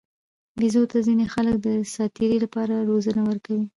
بیزو ته ځینې خلک د ساتیرۍ لپاره روزنه ورکوي.